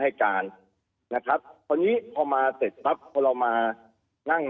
ให้การนะครับตอนนี้พอมาเสร็จครับเพราะเราม๑๙๘๐